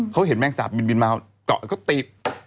เขาเห็นแม่งสาปบินบินมากจะกำเขาตี